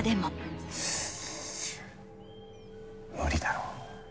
無理だろ。